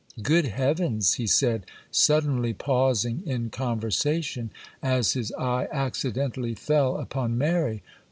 'Good Heavens!' he said, suddenly pausing in conversation, as his eye accidentally fell upon Mary.